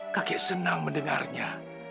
kek senang mendengarnya